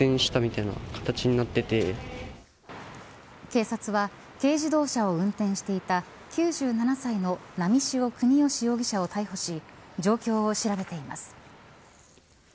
警察は軽自動車を運転していた９７歳の波汐國芳容疑者を逮捕し状況を調べています。